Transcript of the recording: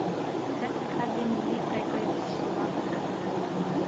زده کړه ښځه مالي پریکړې په خپلواکه توګه کوي.